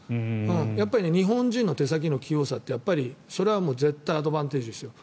やっぱり日本人の手先の器用さってそれは絶対アドバンテージですよ。